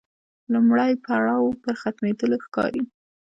لومړی پړاو پر ختمېدلو ښکاري.